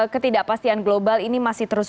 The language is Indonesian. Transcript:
ketidakpastian global ini masih terus